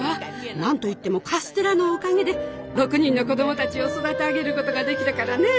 何といってもカステラのおかげで６人の子供たちを育て上げることができたからね。